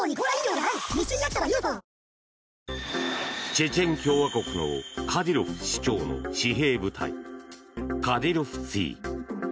チェチェン共和国のカディロフ首長の私兵部隊カディロフツィ。